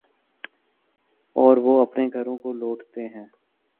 اوروہ اپنے گھروں کو لوٹتے ہیں۔